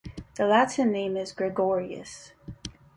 The Latin name is "Gregorius".